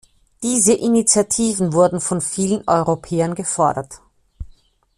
Diese Initiativen wurden von vielen Europäern gefordert.